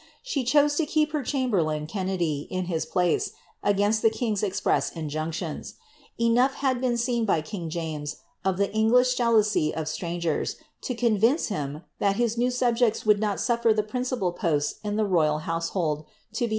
She chose to keep her chamberlain K«^ nedy in his place, agninst the king^s express injunclions. Enough hxl been seen by king James, of the English jealousy of strangers, to con vince him, that his new snhipcia wonhl nol suffer ihe priacipal poMI b the niiyal household to Li